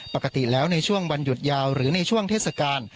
ปกติแล้วในช่วงวันหยุดยาวหรือในช่วงเทศกาล